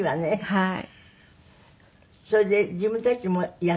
はい。